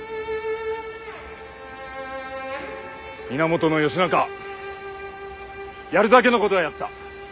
源義仲やるだけのことはやった。